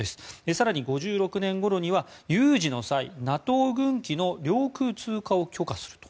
更に５６年ごろには有事の際、ＮＡＴＯ軍機の領空通過を許可すると。